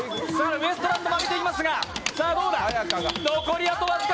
ウエストランド負けていますが、どうか？